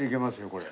これ。